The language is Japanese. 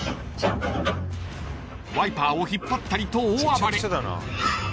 ［ワイパーを引っ張ったりと大暴れ］